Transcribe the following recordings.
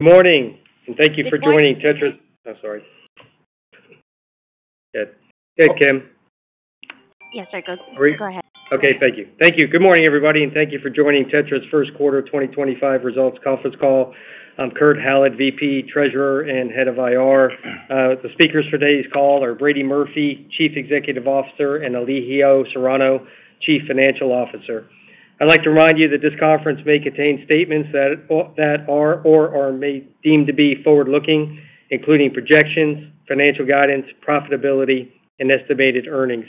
Good morning and thank you for joining TETRA. I'm sorry, Kim. Yes, I. Go ahead. Okay, thank you. Thank you. Good morning everybody and thank you for joining TETRA's first quarter 2025 results conference call. I'm Kurt Hallead, VP Treasurer and Head of IR. The speakers for today's call are Brady Murphy, Chief Executive Officer, and Elijio Serrano, Chief Financial Officer. I'd like to remind you that this conference may contain statements that are or are deemed to be forward looking, including projections, financial guidance, profitability, and estimated earnings.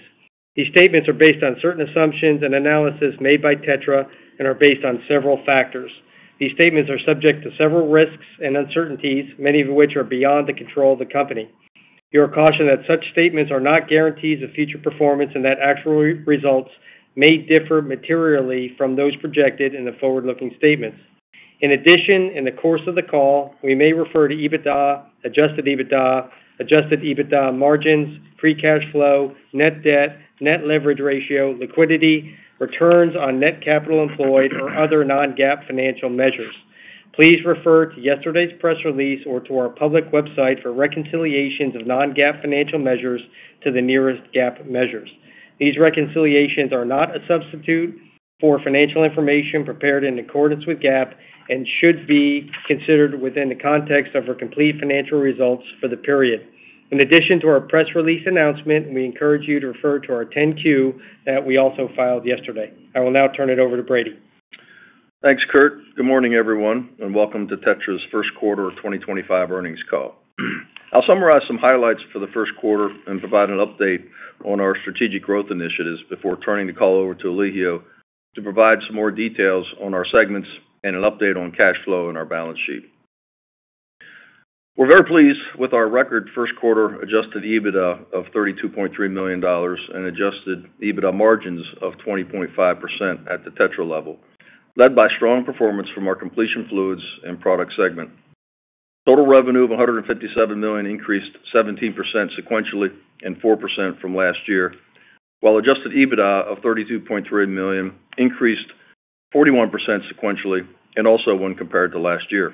These statements are based on certain assumptions and analysis made by TETRA and are based on several factors. These statements are subject to several risks and uncertainties, many of which are beyond the control of the company. You are cautioned that such statements are not guarantees of future performance and that actual results may differ materially from those projected in the forward looking statements. In addition, in the course of the call, we may refer to EBITDA, Adjusted EBITDA, Adjusted EBITDA margins, free cash flow, net debt, net leverage ratio, liquidity, returns on net capital employed, or other non-GAAP financial measures. Please refer to yesterday's press release or to our public website for reconciliations of non-GAAP financial measures to the nearest GAAP measures. These reconciliations are not a substitute for financial information prepared in accordance with GAAP and should be considered within the context of our complete financial results for the period. In addition to our press release announcement, we encourage you to refer to our 10-Q that we also filed yesterday. I will now turn it over to Brady. Thanks, Kurt. Good morning everyone and welcome to TETRA's first quarter 2025 earnings call. I'll summarize some highlights for the first quarter and provide an update on our strategic growth initiatives before turning the call over to Elijio to provide some more details on our segments and an update on cash flow and our balance sheet. We're very pleased with our record first quarter. Adjusted EBITDA of $32.3 million and Adjusted EBITDA margins of 20.5% at the TETRA level, led by strong performance from our completion fluids and products segment. Total revenue of $157 million increased 17% sequentially and 4% from last year, while Adjusted EBITDA of $32.3 million increased 41% sequentially and also when compared to last year.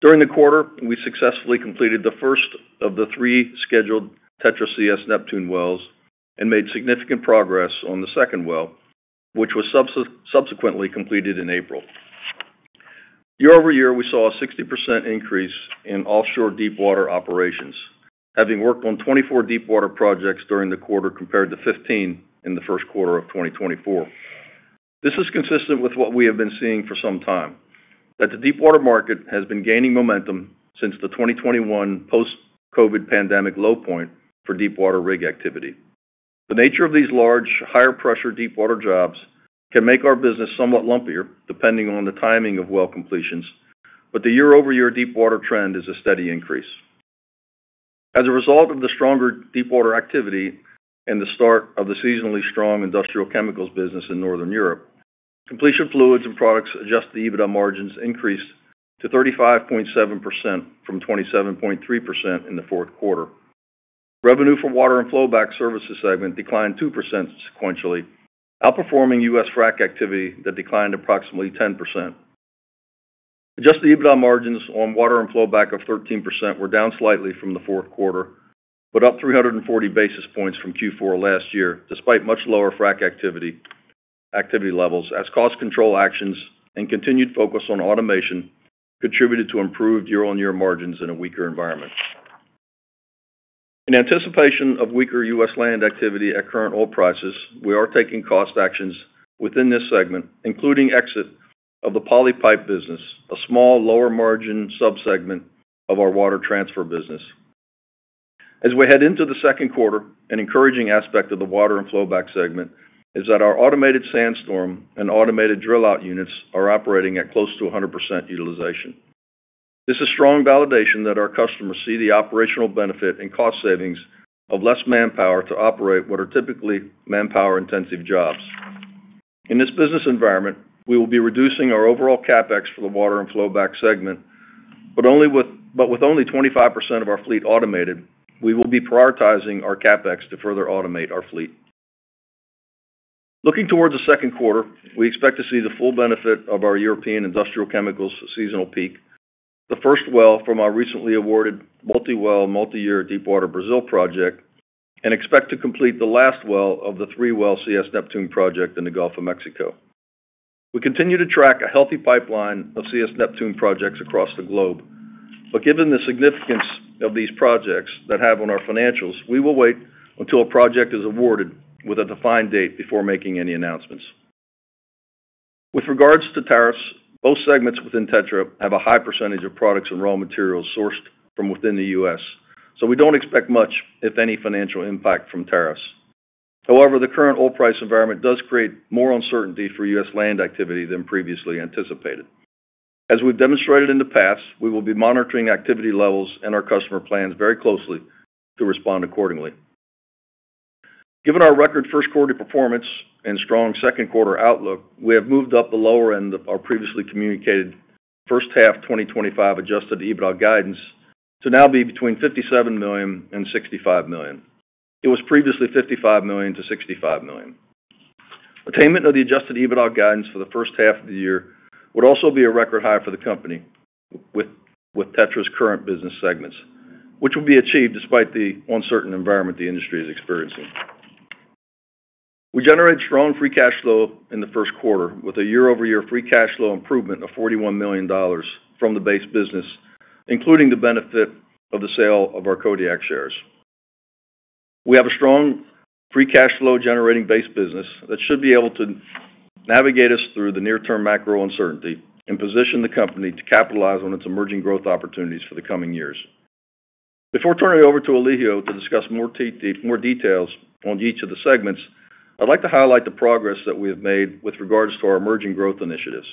During the quarter, we successfully completed the first of the three scheduled TETRA CS Neptune wells and made significant progress on the second well which was subsequently completed in April. Year over year, we saw a 60% increase in offshore deepwater operations, having worked on 24 deepwater projects during the quarter compared to 15 in the first quarter of 2024. This is consistent with what we have been seeing for some time, that the deepwater market has been gaining momentum since the 2021 post COVID pandemic low point for deepwater rig activity. The nature of these large higher pressure deepwater jobs can make our business somewhat lumpier depending on the timing of well completions, but the year-over-year deepwater trend is a steady increase as a result of the stronger deepwater activity and the start of the seasonally strong industrial chemicals business in Northern Europe. Completion fluids and products Adjusted EBITDA margins increased to 35.7% from 27.3% in the fourth quarter. Revenue for water and flowback services segment declined 2% sequentially, outperforming U.S. frac activity that declined approximately 10%. Adjusted EBITDA margins on water and flowback of 13% were down slightly from the fourth quarter but up three hundred and forty basis points from Q4 last year despite much lower frac activity levels as cost control actions and continued focus on automation contributed to improved year-on-year margins in a weaker environment. In anticipation of weaker U.S. land activity at current oil prices, we are taking cost actions within this segment including exit of the poly pipe business, a small lower margin subsegment of our water transfer business as we head into the second quarter. An encouraging aspect of the water and flowback segment is that our automated SandStorm and automated Drillout units are operating at close to 100% utilization. This is strong validation that our customers see the operational benefit and cost savings of less manpower to operate what are typically manpower intensive jobs in this business environment. We will be reducing our overall CapEx for the water and flowback segment, but with only 25% of our fleet automated we will be prioritizing our CapEx to further automate our fleet. Looking towards the second quarter, we expect to see the full benefit of our European industrial chemicals seasonal peak, the first well from our recently awarded multiwell multiyear deepwater Brazil project, and expect to complete the last well of the 3-well CS Neptune project in the Gulf of Mexico. We continue to track a healthy pipeline of CS Neptune projects across the globe, but given the significance these projects have on our financials, we will wait until a project is awarded with a defined date before making any announcements with regards to tariffs. Both segments within TETRA have a high percentage of products and raw materials sourced from within the U.S. so we do not expect much, if any, financial impact from tariffs. However, the current oil price environment does create more uncertainty for U.S. land activity than previously anticipated. As we've demonstrated in the past, we will be monitoring activity levels and our customer plans very closely to respond accordingly. Given our record first quarter performance and strong second quarter outlook, we have moved up the lower end of our previously communicated first half 2025 Adjusted EBITDA guidance to now be between $57 million and $65 million. It was previously $55 million-$65 million. Attainment of the Adjusted EBITDA guidance for the first half of the year would also be a record high for the company with TETRA's current business segments, which will be achieved despite the uncertain environment the industry is experiencing. We generated strong free cash flow in the first quarter with a year-over-year free cash flow improvement of $41 million from the base business, including the benefit of the sale of our Kodiak shares. We have a strong free cash flow generating based business that should be able to navigate us through the near-term macro uncertainty and position the company to capitalize on its emerging growth opportunities for the coming years. Before turning it over to Elijio to discuss more details on each of the segments, I'd like to highlight the progress that we have made with regards to our emerging growth initiatives.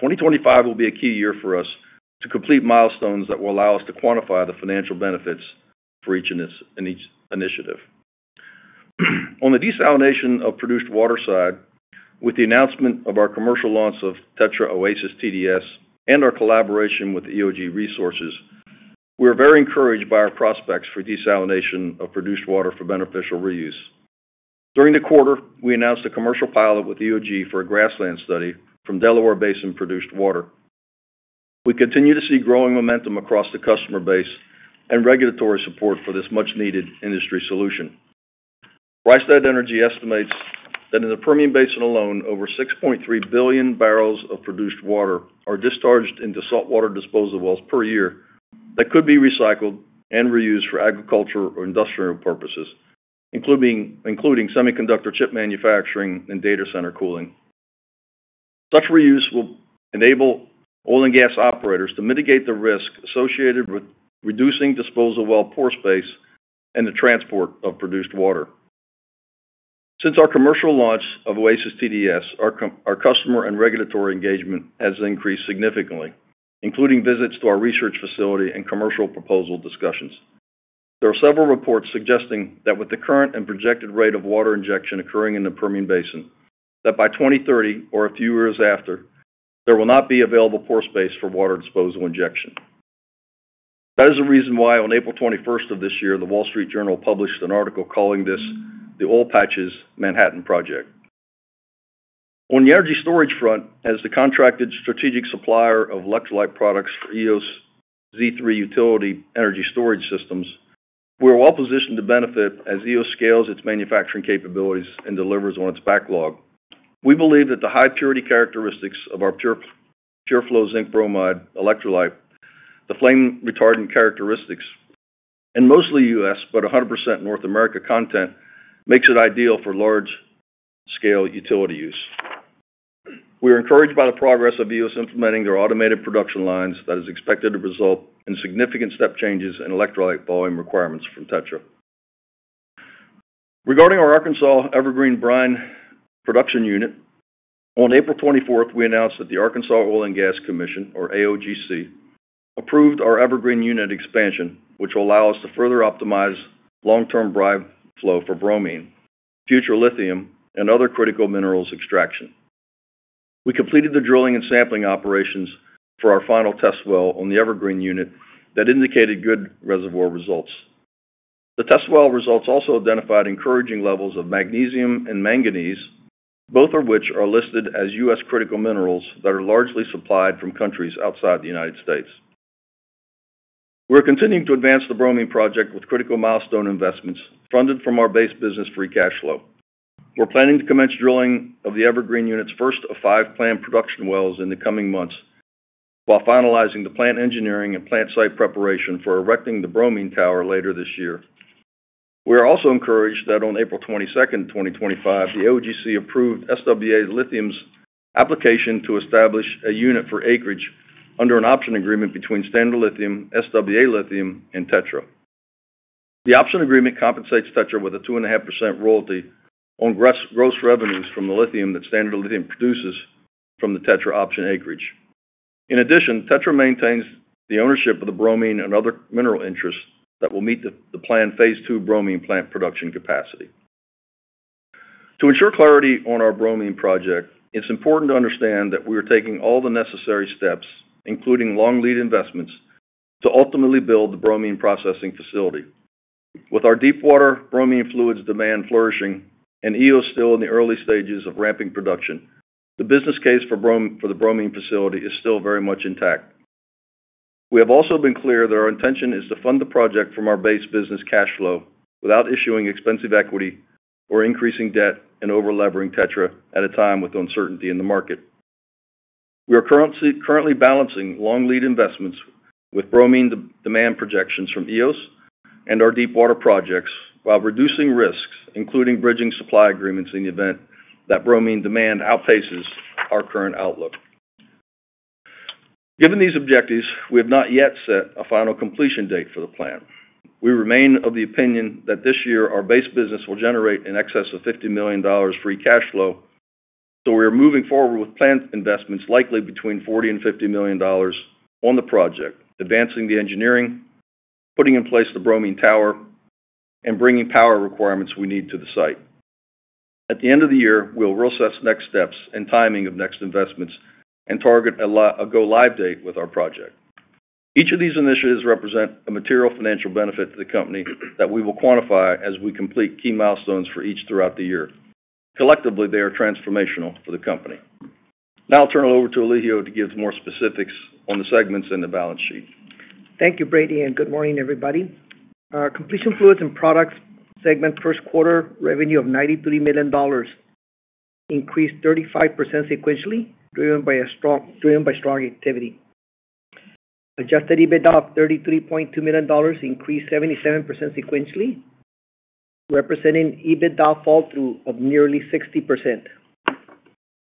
2025 will be a key year for us to complete milestones that will allow us to quantify the financial benefits for each initiative. On the desalination of produced water side, with the announcement of our commercial launch of TETRA Oasis TDS and our collaboration with EOG Resources, we are very encouraged by our prospects for desalination of produced water for beneficial reuse. During the quarter, we announced a commercial pilot with EOG for a grassland study from Delaware Basin produced water. We continue to see growing momentum across the customer base and regulatory support for this much needed industry solution. Rystad Energy estimates that in the Permian Basin alone, over 6.3 billion barrels of produced water are discharged into saltwater disposal wells per year that could be recycled and reused for agricultural or industrial purposes, including semiconductor, chip manufacturing and data center cooling. Such reuse will enable oil and gas operators to mitigate the risk associated with reducing disposal well pore space and the transport of produced water. Since our commercial launch of Oasis TDS, our customer and regulatory engagement has increased significantly, including visits to our research facility and commercial proposal discussions. There are several reports suggesting that with the current and projected rate of water injection occurring in the Permian Basin that by 2030 or a few years after there will not be available pore space for water disposal injection. That is the reason why on April 21 of this year the Wall Street Journal published an article calling this the Oil Patch's Manhattan Project on the energy storage front. As the contracted strategic supplier of electrolyte products for Eos Z3 Utility energy storage systems, we're well positioned to benefit as Eos scales its manufacturing capabilities and delivers on its backlog. We believe that the high purity characteristics of our PureFlow zinc bromide electrolyte, the flame retardant characteristics and mostly U.S. but 100% North America content makes it ideal for large scale utility use. We are encouraged by the progress of Eos implementing their automated production lines that is expected to result in a significant step change in electrolyte volume requirements from TETRA. Regarding our Arkansas Evergreen Brine production unit, on April 24th we announced that the Arkansas Oil and Gas Commission, or AOGC, approved our Evergreen Unit expansion, which will allow us to further optimize long-term brine flow for bromine, future lithium, and other critical minerals extraction. We completed the drilling and sampling operations for our final test well on the Evergreen Unit that indicated good reservoir results. The test well results also identified encouraging levels of magnesium and manganese, both of which are listed as US Critical Minerals that are largely supplied from countries outside the United States. We are continuing to advance the bromine project with critical milestone investments funded from our base business free cash flow. We're planning to commence drilling of the Evergreen Unit's first of five planned production wells in the coming months while finalizing the plant engineering and plant site preparation for erecting the bromine tower later this year. We are also encouraged that on April 22, 2025, the Arkansas OGC approved SWA Lithium's application to establish a unit for acreage under an option agreement between Standard Lithium, SWA Lithium, and TETRA. The option agreement compensates TETRA with a 2.5% royalty on gross revenues from the lithium that Standard Lithium produces from the TETRA option acreage. In addition, TETRA maintains the ownership of the bromine and other mineral interests that will meet the planned phase two bromine plant production capacity. To ensure clarity on our bromine project, it's important to understand that we are taking all the necessary steps, including long lead investments, to ultimately build the bromine processing facility. With our deepwater bromine fluids demand flourishing and Eos still in the early stages of ramping production, the business case for the bromine facility is still very much intact. We have also been clear that our intention is to fund the project from our base business cash flow without issuing expensive equity or increasing debt and over levering TETRA at a time with uncertainty in the market. We are currently balancing long lead investments with bromine demand projections from Eos and our deepwater projects while reducing risks including bridging supply agreements in the event that bromine demand outpaces our current outlook. Given these objectives, we have not yet set a final completion date for the plan. We remain of the opinion that this year our base business will generate in excess of $50 million free cash flow. We are moving forward with planned investments likely between $40 million-$50 million on the project, advancing the engineering, putting in place the bromine tower and bringing power requirements we need to the site. At the end of the year we will assess next steps and timing of next investments and target a go live date with our project. Each of these initiatives represent a material financial benefit to the company that we will quantify as we complete key milestones for each throughout the year. Collectively, they are transformational for the company. Now I will turn it over to Elijio to give more specifics on the segments and the balance sheet. Thank you Brady and good morning everybody. Completion Fluids and Products segment first quarter revenue of $93 million increased 35% sequentially driven by strong activity. Adjusted EBITDA of $33.2 million increased 77% sequentially, representing EBITDA fall through of nearly 60%.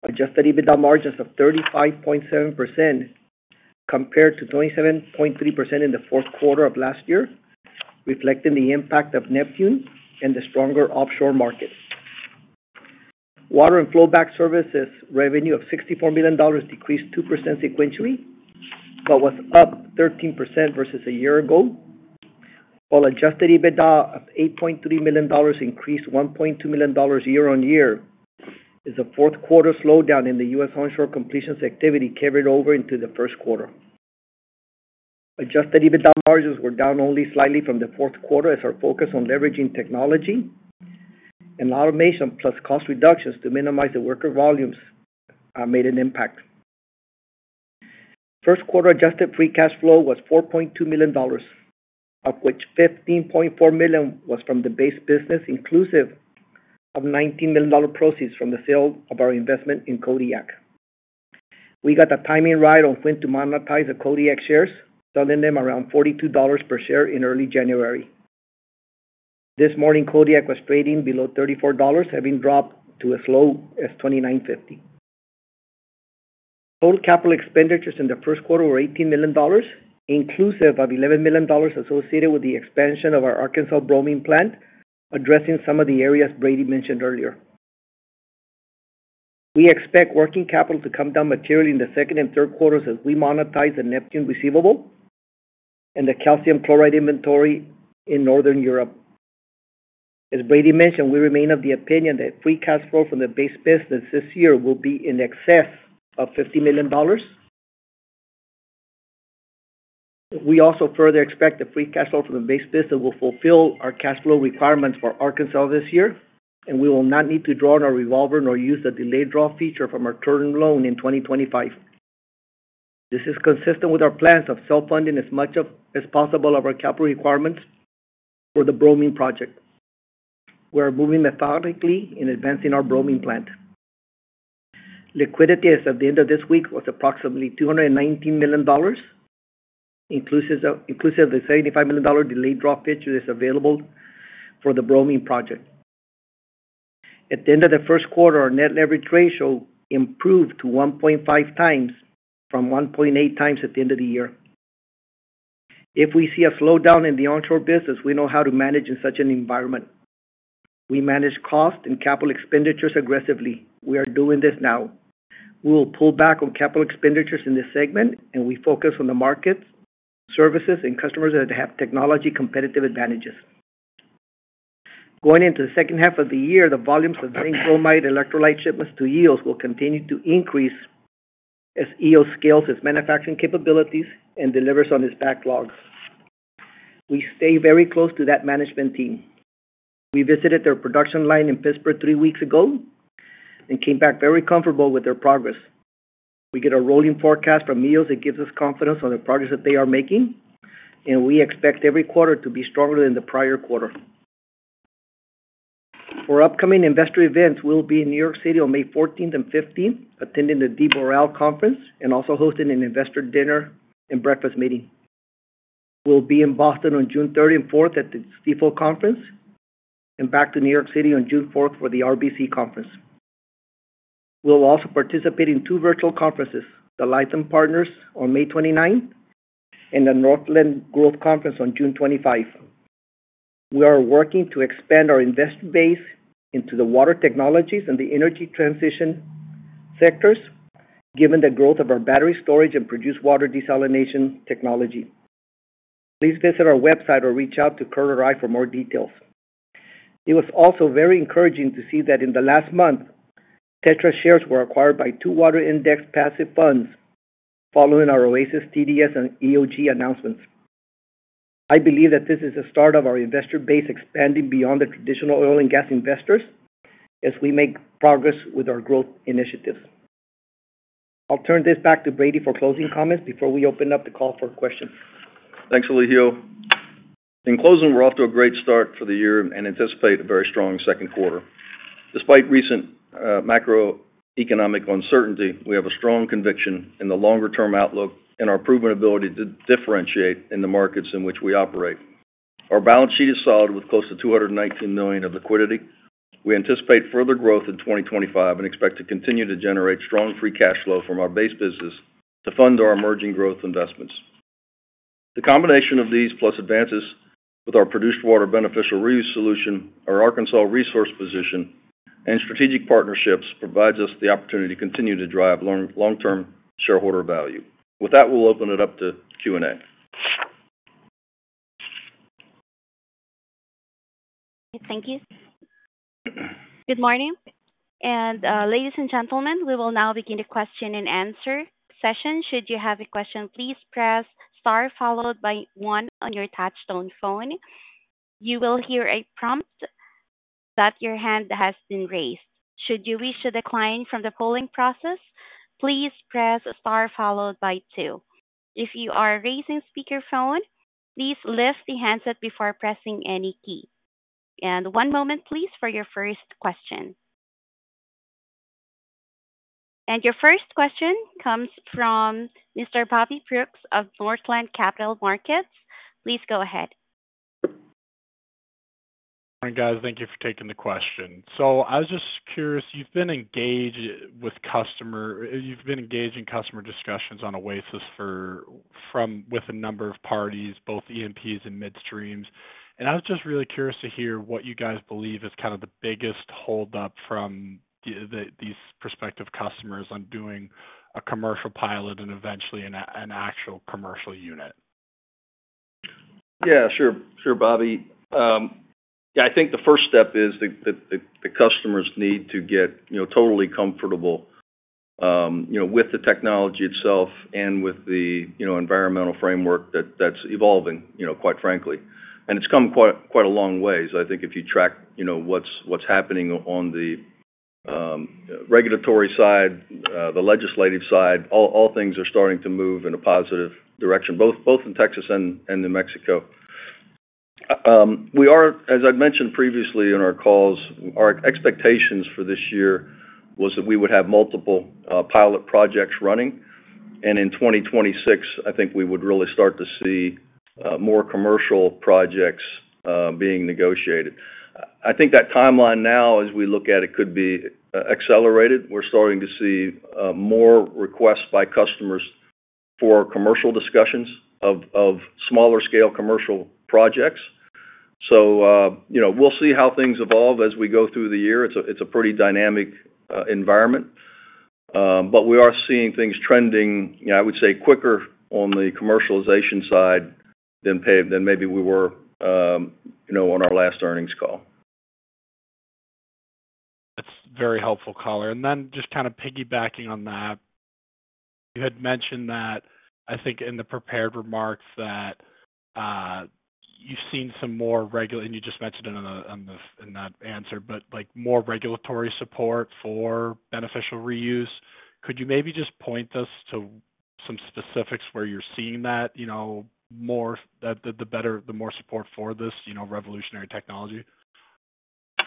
Adjusted EBITDA margins of 35.7% compared to 27.3% in the fourth quarter of last year, reflecting the impact of Neptune and the stronger offshore market water and flowback services. Revenue of $64 million decreased 2% sequentially but was up 13% versus a year ago, while Adjusted EBITDA of $8.3 million increased $1.2 million year-on-year as a fourth quarter slowdown in the US onshore completions activity carried over into the first quarter. Adjusted EBITDA margins were down only slightly from the fourth quarter as our focus on leveraging technology and automation plus cost reductions to minimize the worker volumes made an impact. First quarter adjusted free cash flow was $4.2 million of which $15.4 million was from the base business, inclusive of $19 million proceeds from the sale of our investment in Kodiak. We got the timing right on when to monetize the Kodiak shares, selling them around $42 per share in early January. This morning Kodiak was trading below $34, having dropped to as low as $29.50. Total capital expenditures in the first quarter were $18 million inclusive of $11 million associated with the expansion of our Arkansas bromine plant. Addressing some of the areas Brady mentioned earlier, we expect working capital to come down materially in the second and third quarters as we monetize the Neptune receivable and the calcium chloride inventory in Northern Europe. As Brady mentioned, we remain of the opinion that free cash flow from the base business this year will be in excess of $50 million. We also further expect the free cash flow from the base business will fulfill our cash flow requirements for Arkansas this year and we will not need to draw on our revolver nor use the delayed draw feature from our term loan in 2025. This is consistent with our plans of self funding as much as possible of our capital requirements for the bromine project. We are moving methodically in advancing our bromine plant liquidity. As of the end of this week was approximately $219 million inclusive of the $75 million delayed draw feature available for the bromine project. At the end of the first quarter, our net leverage ratio improved to 1.5 times from 1.8 times at the end of the year. If we see a slowdown in the onshore business, we know how to manage in such an environment. We manage cost and capital expenditures aggressively. We are doing this now. We will pull back on capital expenditures in this segment and we focus on the markets, services and customers that have technology competitive advantages going into the second half of the year. The volumes of zinc bromide electrolyte shipments to Eos will continue to increase as Eos scales its manufacturing capabilities and delivers on its backlog. We stay very close to that management team. We visited their production line in Pittsburgh three weeks ago and came back very comfortable with their progress. We get a rolling forecast from Eos that gives us confidence on the progress that they are making and we expect every quarter to be stronger than the prior quarter. For upcoming investor events, we will be in New York City on May 14th and 15th attending. The B. Riley Conference and also hosting an investor dinner and breakfast meeting. We'll be in Boston on June 3rd and 4th at the CFO Conference and back to New York City on June 4 for the RBC conference. We'll also participate in two virtual conferences, the Lytham Partners on May 29 and the Northland Growth Conference on June 25. We are working to expand our investor base into the water technologies and the energy transition sectors given the growth of our battery storage and produced water desalination technology. Please visit our website or reach out to Lytham Partners for more details. It was also very encouraging to see that in the last month TETRA shares were acquired by two Water Index passive funds. Following our Oasis TDS and EOG announcements. I believe that this is the start of our investor base expanding beyond the traditional oil and gas investors as we make progress with our growth initiatives. I'll turn this back to Brady for closing comments before we open up the call for questions. Thanks Elijio. In closing, we're off to a great start for the year and anticipate a very strong second quarter. Despite recent macroeconomic uncertainty, we have a strong conviction in the longer term outlook and our proven ability to differentiate in the markets in which we operate. Our balance sheet is solid with close to $219 million of liquidity. We anticipate further growth in 2025 and expect to continue to generate strong free cash flow from our base business to fund our emerging growth investments. The combination of these plus advances with our produced water beneficial reuse solution, our Arkansas resource position and strategic partnerships provides us the opportunity to continue to drive long term shareholder value. With that, we'll open it up to Q&A. Thank you. Good morning, ladies and gentlemen, we will now begin the question and answer session. Should you have a question, please press star followed by one. On your touch-tone phone you will hear a prompt that your hand has been raised. Should you wish to decline from the polling process, please press star followed by two. If you are using speakerphone, please lift the handset before pressing any key. One moment please for your first question. Your first question comes from Mr. Bobby Brooks of Northland Capital Markets. Please go ahead. Thank you for taking the question. I was just curious. You've been engaged with customer, you've been engaging customer discussions on Oasis for from with a number of parties, both E&Ps and midstreams. I was just really curious to hear what you guys believe is kind of the biggest hold up from these prospective customers on doing a commercial pilot and eventually an actual commercial unit. Yeah, sure, sure, Bobby. I think the first step is that the customers need to get totally comfortable, you know, with the technology itself and with the, you know, environmental framework that's evolving, you know, quite frankly, and it's come quite a long ways. I think if you track, you know, what's happening on the regulatory side, the legislative side, all things are starting to move in a positive direction. Both in Texas and New Mexico. We are, as I've mentioned previously in our calls, our expectations for this year are was that we would have multiple pilot projects running and in 2026, I think we would really start to see more commercial projects being negotiated. I think that timeline now, as we look at it, could be accelerated. We're starting to see more requests by customers for commercial discussions of smaller scale commercial projects. We will see how things evolve as we go through the year. It's a pretty dynamic environment, but we are seeing things trending, I would say, quicker on the commercialization side than maybe we were on our last earnings call. That's very helpful, collar. Just kind of piggybacking on that, you had mentioned that, I think, in the prepared remarks that you've seen some more regular, and you just mentioned it in that answer, but like more regulatory support for beneficial reuse. Could you maybe just point us to some specifics where you're seeing that? You know, more the better, the more support for this, you know, revolutionary technology.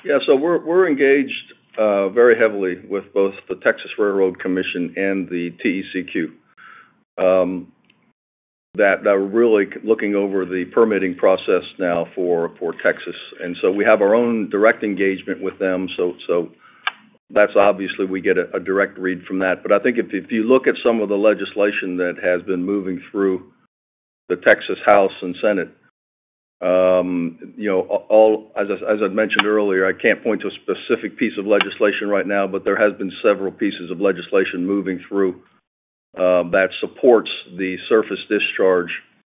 Yeah. We are engaged very heavily with both the Texas Railroad Commission and the TCEQ that are really looking over the permitting process now for Texas. We have our own direct engagement with them. That is obviously, we get a direct read from that. If you look at some of the legislation that has been moving through the Texas House and Senate, you know, as I mentioned earlier, I cannot point to a specific piece of legislation right now, but there have been several pieces of legislation moving through that support the surface discharge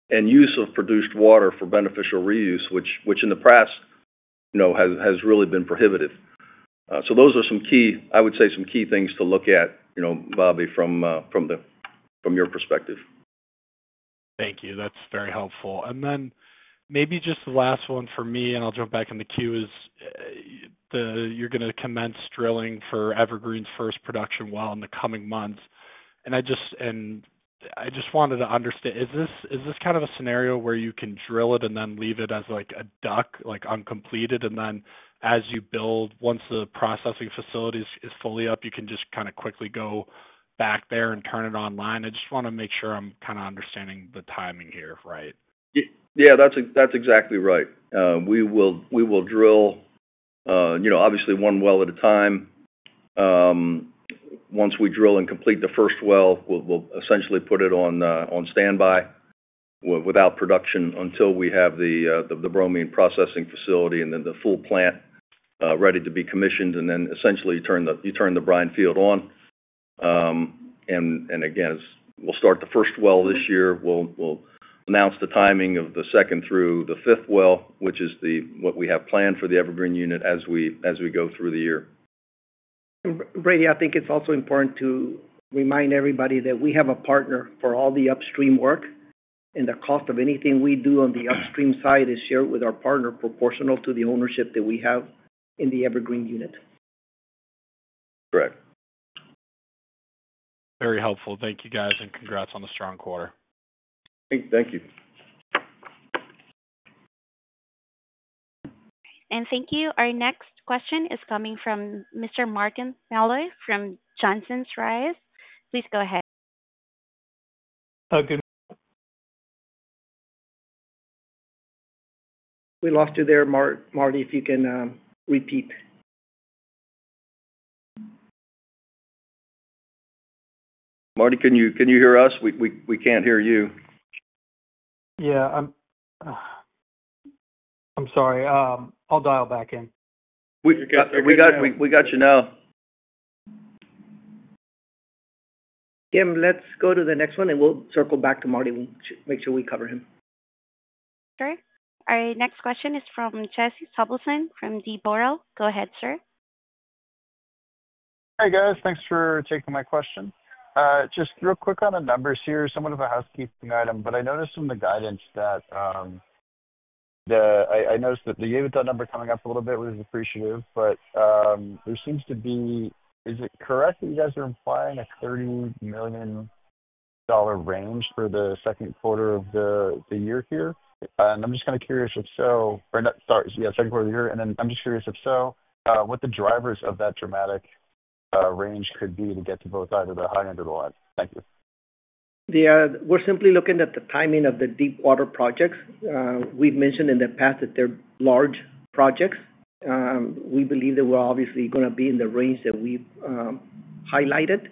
and use of produced water for beneficial reuse, which in the past has really been prohibitive. Those are some key, I would say, some key things to look at, you know, Bobby, from your perspective. Thank you. That's very helpful. Maybe just the last one for me, and I'll jump back in the queue. You're going to commence drilling for Evergreen's first production well in the coming months. I just wanted to understand, is this kind of a scenario where you can drill it and then leave it as like a DUC, like uncompleted, and then as you build, once the processing facilities is fully up, you can just kind of quickly go back there and turn it online? I just want to make sure I'm kind of understanding the timing here. Right. Yeah, that's exactly right. We will drill, you know, obviously one well at a time. Once we drill and complete the first well, we'll essentially put it on standby without production until we have the bromine processing facility and then the full plant ready to be commissioned. You turn the brine field on. Again, we'll start the first well this year. We'll announce the timing of the second through the fifth well, which is what we have planned for the Evergreen unit as we go through the year. Brady. I think it's also important to remind everybody that we have a partner for all the upstream work. The cost of anything we do on the upstream side is shared with our partner, proportional to the ownership that we have in the Evergreen unit. Correct. Very helpful. Thank you, guys. Congrats on the strong quarter. Thank you. Thank you. Our next question is coming from Mr. Martin Malloy from Johnson Rice. Please go ahead. We lost you there, Marty, if you can repeat. Marty, can you hear us? We can't hear you. Yeah, I'm sorry. I'll dial back in. We got you now. Kim. Let's go to the next one and we'll circle back to Marty, make sure we cover him. Sure. Our next question is from Jeff Robertson from TETRA. Go ahead, sir. Hey, guys, thanks for taking my question. Just real quick on the numbers here. Somewhat of a housekeeping item, but I noticed in the guidance that I noticed that the EBITDA number coming up a little bit was appreciative. There seems to be. Is it correct that you guys are implying a $30 million range for the second quarter of the year here? I'm just kind of curious if so. Sorry. Yeah. Second quarter of the year. I'm just curious if so, what the drivers of that dramatic range could be to get to both either the high end or the line. Thank you. We're simply looking at the timing of the deepwater projects. We've mentioned in the past that they're large projects. We believe that we're obviously going to be in the range that we highlighted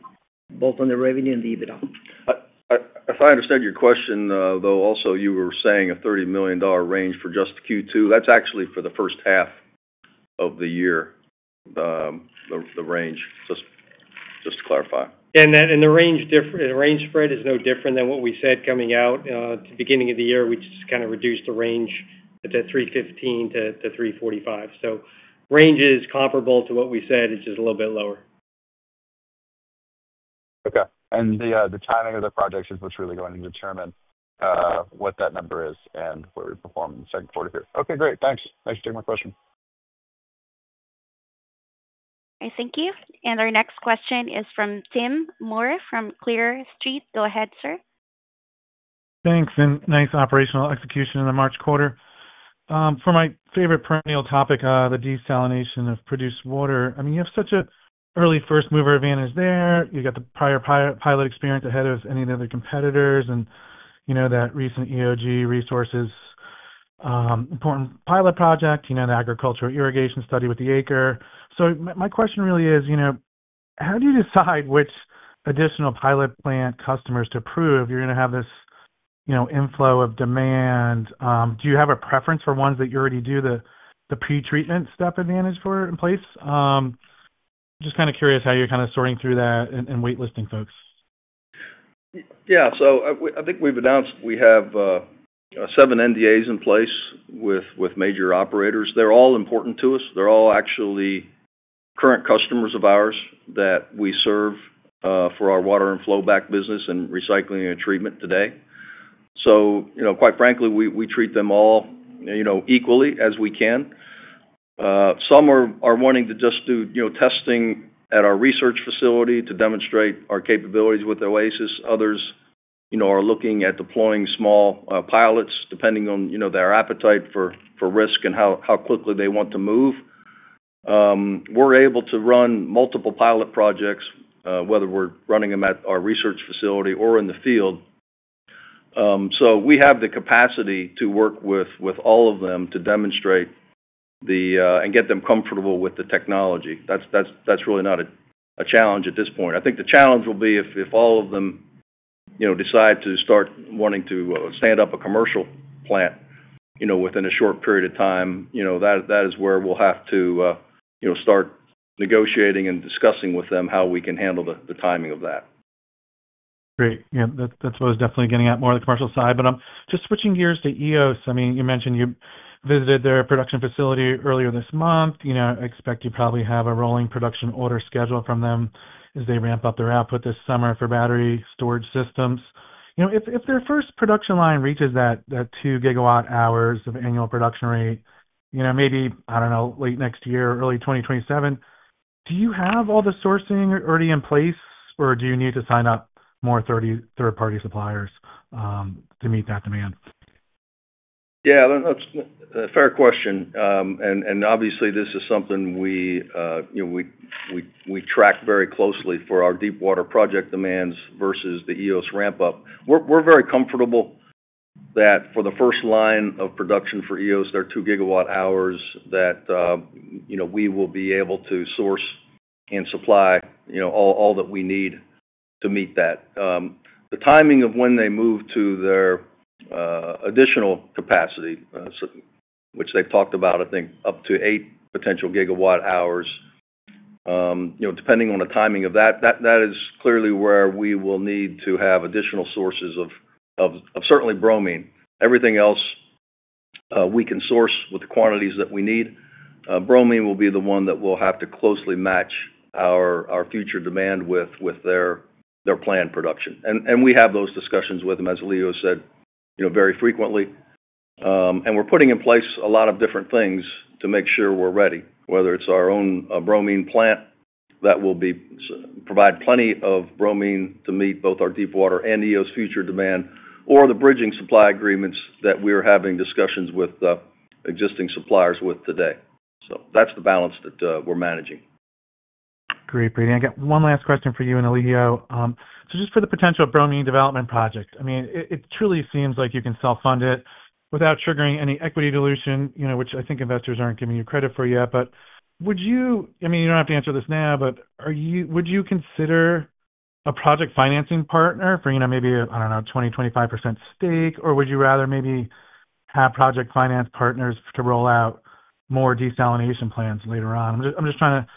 both on the revenue and the EBITDA. If I understand your question, though, also you were saying a $30 million range for just Q2. That's actually for the first half of the year. The range, just to clarify. The range spread is no different than what we said coming out beginning of the year. We just kind of reduced the range to 315-345. Range is comparable to what we said. It's just a little bit lower. Okay. The timing of the projects is what's really going to determine what that number is and where we perform in the second quarter here. Okay, great. Thanks. Thanks for taking my question. Thank you. Our next question is from Tim Moore from Clear Street. Go ahead, sir. Thanks. Nice operational execution in the March quarter for my favorite perennial topic, the desalination of produced water. I mean you have such an early first mover advantage there. You got the prior pilot experience ahead of any of the other competitors. You know, that recent EOG Resources important pilot project, you know, the agricultural irrigation study with the AgriLife. My question really is, you know, how do you decide which additional pilot plant customers to approve? You're going to have this, you know, inflow of demand. Do you have a preference for ones that you already do the pre treatment step advantage for in place? Just kind of curious how you're kind of sorting through that and wait listing folks. Yeah, so I think we've announced we have seven NDAs in place with major operators. They're all important to us. They're all actually current customers of ours that we serve for our water and flowback business and recycling and treatment today. So, you know, quite frankly, we treat them all, you know, equally as we can. Some are wanting to just do, you know, testing at our research facility to demonstrate our capabilities with Oasis. Others, you know, are looking at deploying small pilots depending on, you know, their appetite for risk and how quickly they want to move. We're able to run multiple pilot projects, whether we're running them at our research facility or in the field. We have the capacity to work with all of them to demonstrate and get them comfortable with the technology. That's really not a challenge at this point. I think the challenge will be if all of them decide to start wanting to stand up a commercial plant, you know, within a short period of time. You know, that is where we'll have to, you know, start negotiating and discussing with them how we can handle the timing of that. Great. Yeah, that's what I was definitely getting at more on the commercial side, but I'm just switching gears to Eos. I mean, you mentioned you visited their production facility earlier this month. You know, I expect you probably have a rolling production order schedule from them as they ramp up their output this summer for battery storage systems. You know, if their first production line reaches that 2 gigawatt hours of annual production rate, you know, maybe, I don't know, late next year, early 2027. Do you have all the sourcing already in place or do you need to sign up more third party suppliers to meet that demand? Yeah, that's a fair question. Obviously this is something we, you know, we track very closely for our deepwater project demands versus the Eos ramp up. We are very comfortable that for the first line of production for Eos, their 2 GW hours, we will be able to source and supply all that we need to meet that. The timing of when they move to their additional capacity, which they have talked about, I think up to eight potential gigawatt hours depending on the timing of that, that is clearly where we will need to have additional sources of certainly bromine. Everything else we can source with the quantities that we need. Bromine will be the one that we will have to closely match our future demand with their planned production. We have those discussions with them, as Elijio said, very frequently. We are putting in place a lot of different things to make sure we are ready. Whether it is our own bromine plant that will provide plenty of bromine to meet both our deepwater and Eos future demand, or the bridging supply agreements that we are having discussions with existing suppliers with today. That is the balance that we are managing. Great. Brady, I got one last question for you and Elijio. Just for the potential bromine development project, I mean it truly seems like you can self fund it without triggering any equity dilution, you know, which I think investors aren't giving you credit for yet. Would you, I mean, you don't have to answer this now, but are you, would you consider a project financing partner for, you know, maybe, I don't know, 20-25% stake, or would you rather maybe have project finance partners to roll out more desalination plans later on? I'm just trying to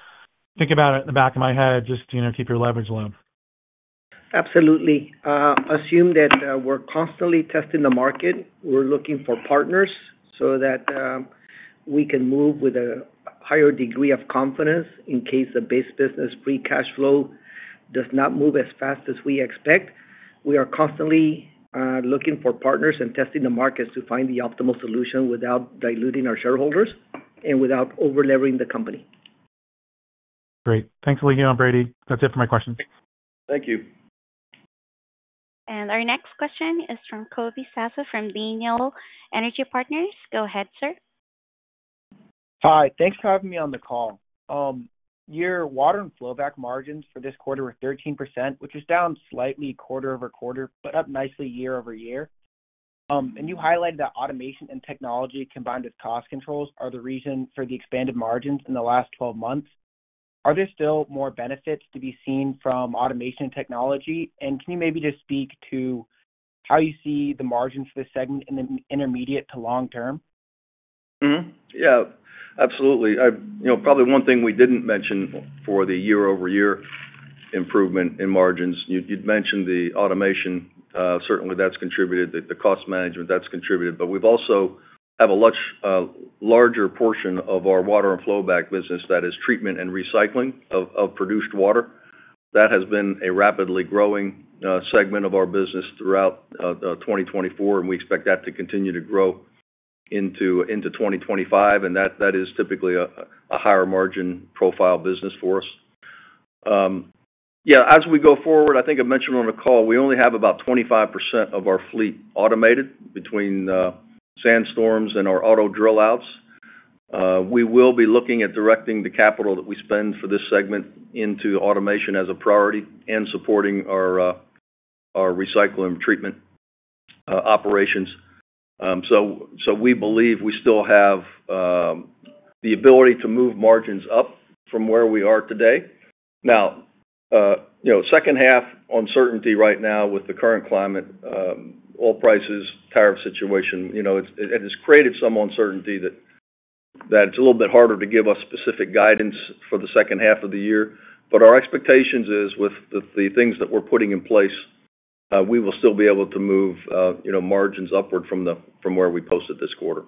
think about it in the back of my head. Just, you know, keep your leverage low. Absolutely. Assume that we're constantly testing the market. We're looking for partners so that we can move with a higher degree of confidence in case the base business free cash flow does not move as fast as we expect. We are constantly looking for partners and testing the markets to find the optimal solution without diluting our shareholders and without over leveraging the company. Great. Thanks, Alicia and Brady. That's it for my questions. Thank you. Our next question is from Colby Sasso from Lytham Partners. Go ahead, sir. Hi, thanks for having me on the call. Your water and flowback margins for this quarter were 13%, which was down slightly quarter over quarter, but up nicely year-over-year. You highlighted that automation and technology combined with cost controls are the reason for the expanded margins in the last 12 months. Are there still more benefits to be seen from automation technology? Can you maybe just speak to how you see the margin for this segment in the intermediate to long term? Yeah, absolutely. One thing we didn't mention for the year-over-year improvement in margins, you'd mentioned the automation, certainly that's contributed, the cost management that's contributed. We also have a much larger portion of our water and flowback business that is treatment and recycling of produced water. That has been a rapidly growing segment of our business throughout 2024 and we expect that to continue to grow into 2025, and that is typically a higher margin profile business for us. As we go forward, I think I mentioned on the call, we only have about 25% of our fleet automated. Between SandStorm and our auto drill outs, we will be looking at directing the capital that we spend for this segment into automation as a priority and supporting our recycling treatment operations. We believe we still have the ability to move margins up from where we are today. You know, second half uncertainty right now with the current climate, oil prices, tariff situation, you know, it has created some uncertainty that, that it's a little bit harder to give specific guidance for the second half of the year. Our expectations is with the things that we're putting in place, we will still be able to move, you know, margins upward from where we posted this quarter.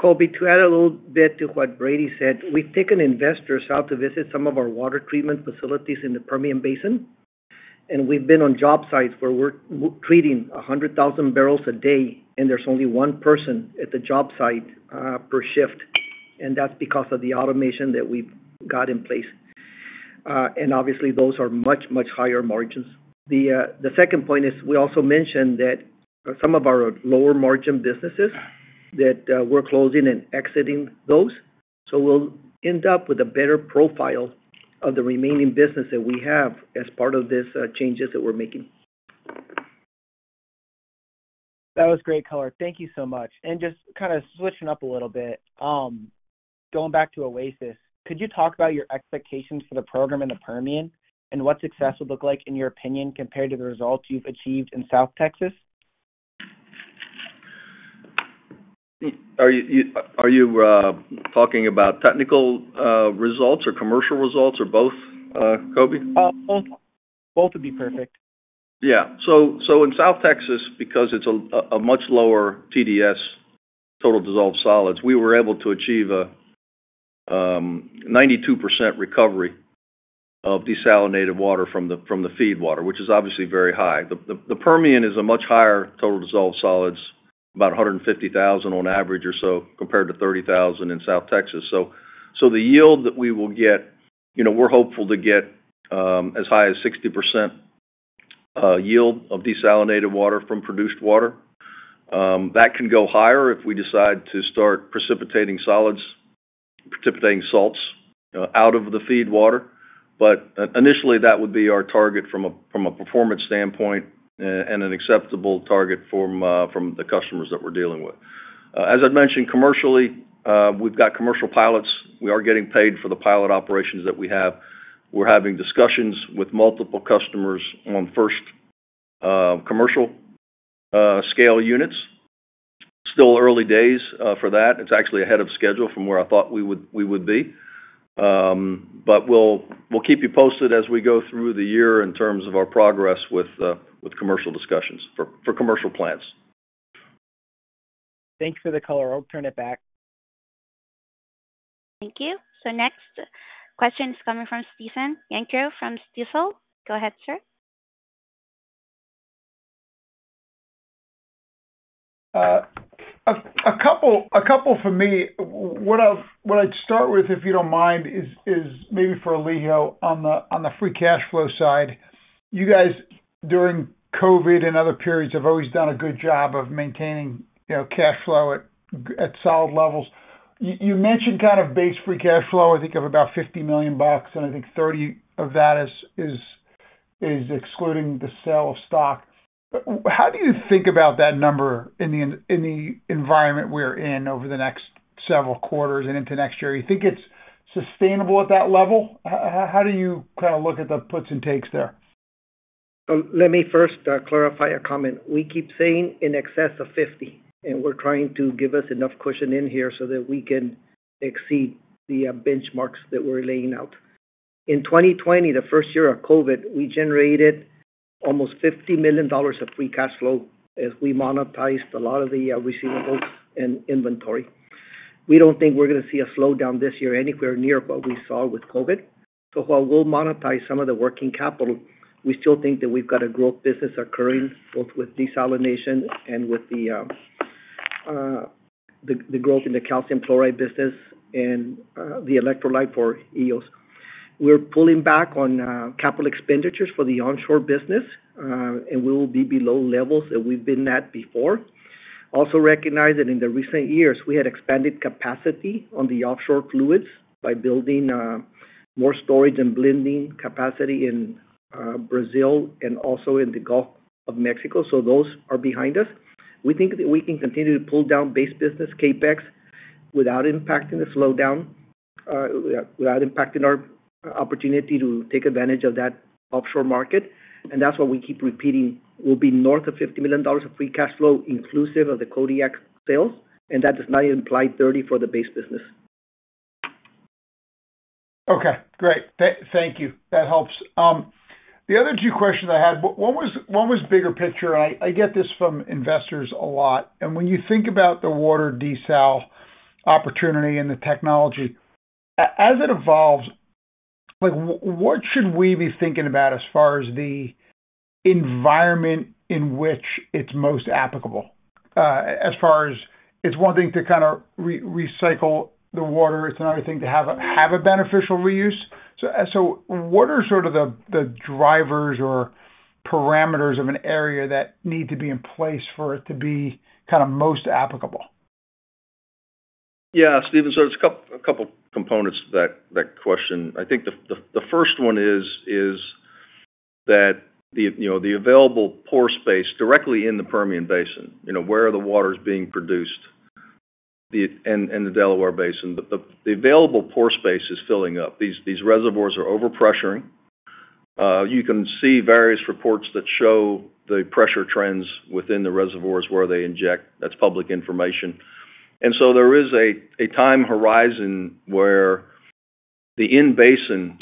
Colby, to add a little bit to what Brady said, we've taken investors out to visit some of our water treatment facilities in the Permian Basin and we've been on job sites where we're treating 100,000 barrels a day and there's only one person at the job site per shift and that's because of the automation that we've got in place. Obviously those are much, much higher margins. The second point is we also mentioned that some of our lower margin businesses that we're closing and exiting those, so we'll end up with a better profile of the remaining business that we have as part of this changes that we're making. That was great color. Thank you so much. Just kind of switching up a little bit, going back to Oasis. Could you talk about your expectations for the program in the Permian and what success would look like in your opinion compared to the results you've achieved in South Texas? Are you talking about technical results or commercial results or both? Colby? Both would be perfect. Yeah. In South Texas, because it is a much lower TDS, total dissolved solids, we were able to achieve a 92% recovery of desalinated water from the feed water, which is obviously very high. The Permian is a much higher total dissolved solids, about 150,000 on average or so, compared to 30,000 in South Texas. The yield that we will get, we are hopeful to get as high as 60% yield of desalinated water from produced water. That can go higher if we decide to start precipitating solids, precipitating salts out of the feed water. Initially, that would be our target from a performance standpoint and an acceptable target from the customers that we are dealing with. As I mentioned, commercially, we have got commercial pilots. We are getting paid for the pilot operations that we have. We are having discussions with multiple customers on first commercial scale units. Still early days for that. It's actually ahead of schedule from where I thought we would be. We will keep you posted as we go through the year in terms of our progress with commercial discussions for commercial plants. Thanks for the color. I'll turn it back. Thank you. Next question is coming from Stephen Gengaro from Stifel. Go ahead, sir. A couple for me. What I'd start with, if you don't mind, is maybe for Elijio on the free cash flow side, you guys, during COVID and other periods, have always done a good job of maintaining cash flow at solid levels. You mentioned kind of base free cash flow. I think of about $50 million, and I think $30 million of that is excluding the sale of stock. How do you think about that number in the environment we're in over the next several quarters and into next year? You think it's sustainable at that level? How do you kind of look at the puts and takes there? Let me first clarify a comment. We keep saying in excess of 50, and we're trying to give us enough cushion in here so that we can exceed the benchmarks that we're laying out. In 2020, the first year of COVID, we generated almost $50 million of free cash flow as we monetized a lot of the receivables and inventory. We do not think we're going to see a slowdown this year anywhere near what we saw with COVID. While we'll monetize some of the working capital, we still think that we've got a growth business occurring both with desalination and with the growth in the calcium chloride business and the electrolyte for Eos. We're pulling back on capital expenditures for the onshore business, and we will be below levels that we've been at before. Also recognizing in the recent years we had expanded capacity on the offshore fluids by building more storage and blending capacity in Brazil and also in the Gulf of Mexico. Those are behind us. We think that we can continue to pull down base business CapEx without impacting the slowdown, without impacting our opportunity to take advantage of that offshore market. That is what we keep repeating. We'll be north of $50 million of free cash flow inclusive of the Kodiak sales. That does not imply 30 for the base business. Okay, great, thank you. That helps. The other two questions I had, one was bigger picture. I get this from investors a lot. When you think about the water desal opportunity and the technology as it evolves, like what should we be thinking about as far as the environment in which it's most applicable? As far as it's one thing to kind of recycle the water, it's another thing to have a beneficial reuse. What are sort of the drivers or parameters of an area that need to be in place for it to be kind of most applicable? Yeah, Stephen, there are a couple components to that question. I think the first one is that the available pore space directly in the Permian Basin where the water is being produced in the Delaware Basin, the available pore space is filling up. These reservoirs are over pressuring. You can see various reports that show the pressure trends within the reservoirs where they inject. That is public information. There is a time horizon where the in basin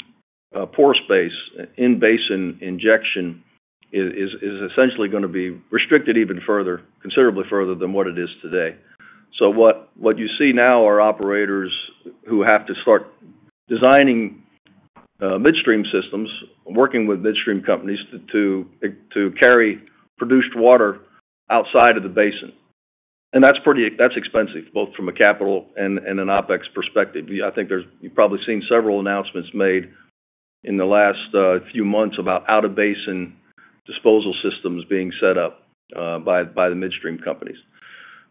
pore space, in basin injection, is essentially going to be restricted even further, considerably further than what it is today. What you see now are operators who have to start designing midstream systems, working with midstream companies to carry produced water outside of the basin. That is pretty, that is expensive, both from a capital and an OpEx perspective. I think there's, you've probably seen several announcements made in the last few months about out of basin disposal systems being set up by the midstream companies.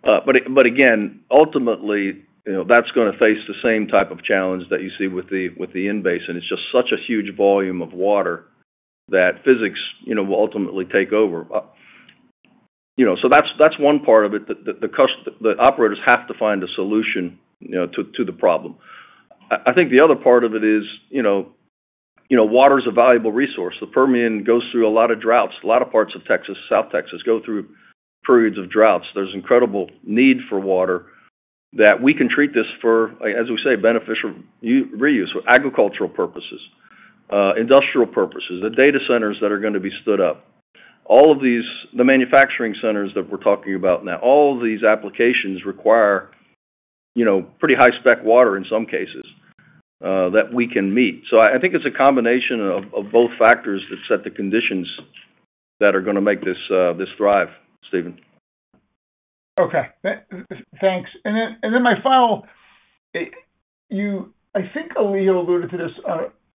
Again, ultimately that's going to face the same type of challenge that you see with the in basin. It's just such a huge volume of water that physics will ultimately take over. That's one part of it. The operators have to find a solution, you know, to the problem. I think the other part of it is, you know, you know, water is a valuable resource. The Permian goes through a lot of droughts. A lot of parts of Texas, South Texas go through periods of droughts. There's incredible need for water that we can treat this for, as we say, beneficial reuse for agricultural purposes, industrial purposes. The data centers that are going to be stood up, all of these, the manufacturing centers that we're talking about now, all these applications require, you know, pretty high spec water in some cases that we can meet. I think it's a combination of both factors that set the conditions that are going to make this thrive. Stephen. Okay, thanks. My final, I think Elijio alluded to this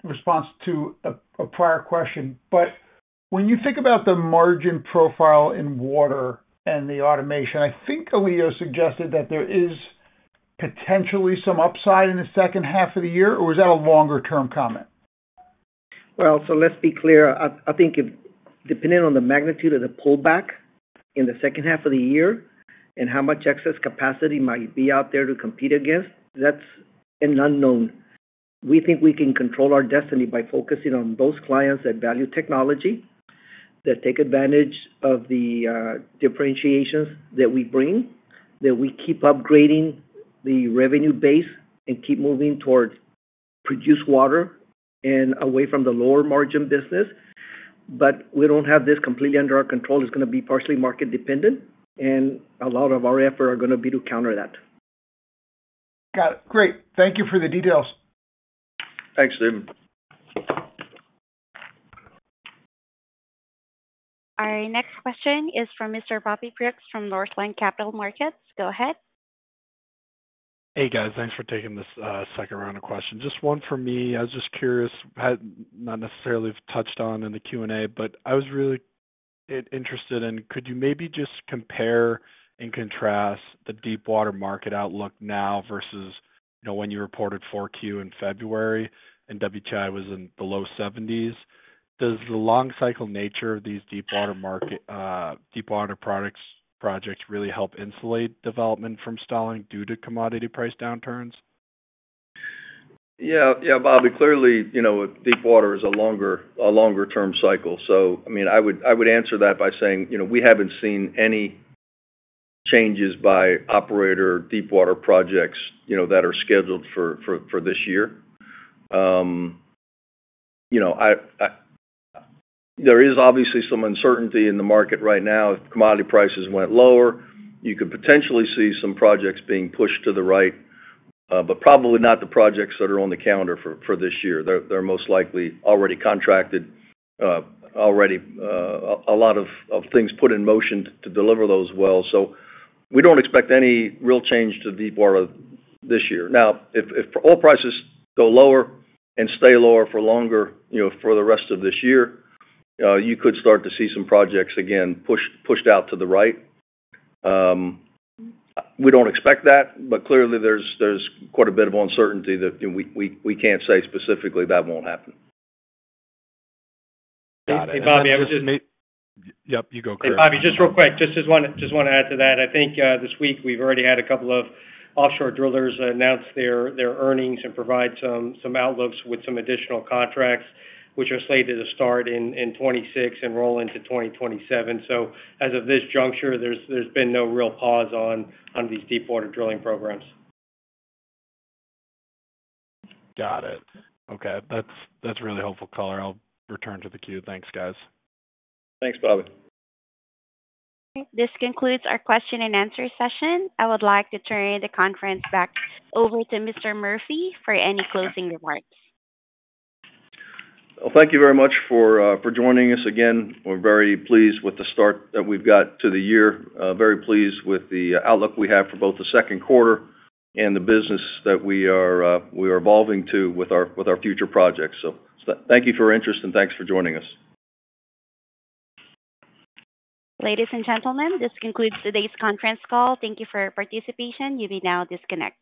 in response to a prior question, but when you think about the margin profile in water and the automation, I think Elijio suggested that there is potentially some upside in the second half of the year. Is that a longer term comment? Let's be clear. I think depending on the magnitude of the pullback in the second half of the year and how much excess capacity might be out there to compete against, that's an unknown. We think we can control our destiny by focusing on those clients that value technology, that take advantage of the differentiations that we bring, that we keep upgrading the revenue base and keep moving towards produced water and away from the lower margin business. We do not have this completely under our control. It is going to be partially market dependent and a lot of our effort are going to be to counter that. Got it. Great. Thank you for the details. Thanks, Stephen. Our next question is from Mr. Bobby Brooks from Northland Capital Markets. Go ahead. Hey guys, thanks for taking this second round of questions. Just one for me. I was just curious, not necessarily touched on in the Q&A, but I was really interested in could you maybe just compare and contrast the deepwater market outlook now versus when you reported 4Q in February and WTI was in the low 70s? Does the long cycle nature of these deepwater market deepwater products projects really help insulate development from stalling due to commodity price downturns? Yeah, yeah, Bobby, clearly, you know, deep water is a longer, a longer term cycle. I mean I would answer that by saying, you know, we haven't seen any changes by operator deep water projects, you know, that are scheduled for this year. You know, there is obviously some uncertainty in the market right now. If commodity prices went lower, you could potentially see some projects being pushed to the right, but probably not the projects that are on the calendar for this year, they're most likely already contracted, already a lot of things put in motion to deliver those wells. We don't expect any real change to the deep water this year. Now if oil prices go lower and stay lower for longer, you know, for the rest of this year you could start to see some projects again pushed, pushed out to the right. We don't expect that. Clearly, there's quite a bit of uncertainty that we can't say specifically that won't happen. Bobby. Yep. You go, Bobby. Just real quick, just want to add to that, I think this week we've already had a couple of offshore drillers announce their earnings and provide some outlooks with some additional contracts which are slated to start in 2026 and roll into 2027. As of this juncture, there's been no real pause on these deepwater drilling programs. Got it. Okay. That's really helpful color. I'll return to the queue. Thanks, guys. Thanks, Bobby. This concludes our question and answer session. I would like to turn the conference back over to Mr. Murphy for any closing remarks. Thank you very much for joining us again. We're very pleased with the start that we've got to the year, very pleased with the outlook we have for both the second quarter and the business that we are evolving to with our future projects. Thank you for your interest and thanks for joining us. Ladies and gentlemen. This concludes today's conference call. Thank you for your participation. You may now disconnect.